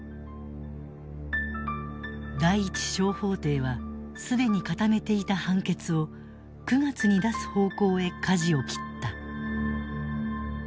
第一小法廷は既に固めていた判決を９月に出す方向へ舵を切った。